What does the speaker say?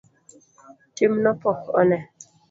Timno pok one.